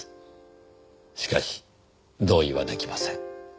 しかし同意は出来ません。